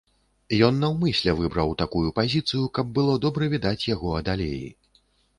Ён наўмысля выбраў такую пазіцыю, каб было добра відаць яго ад алеі.